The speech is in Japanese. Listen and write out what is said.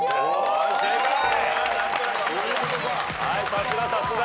さすがさすが。